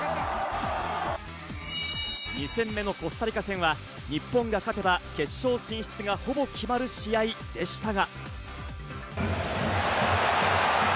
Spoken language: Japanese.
２戦目のコスタリカ戦は日本が勝てば決勝進出がほぼ決まる試合でしたが。